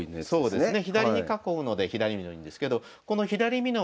そうですね。